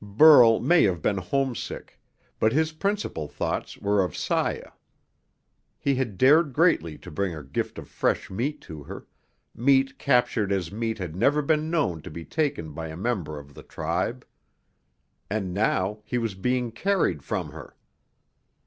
Burl may have been homesick, but his principal thoughts were of Saya. He had dared greatly to bring a gift of fresh meat to her, meat captured as meat had never been known to be taken by a member of the tribe. And now he was being carried from her!